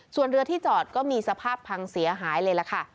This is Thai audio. ส่วนเรือที่จอดก็มีสภาพพังเสียหายเลยล่ะค่ะ